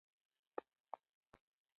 هغه هغې ته په درناوي د پسرلی کیسه هم وکړه.